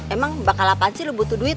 emang bakal apa sih lo butuh duit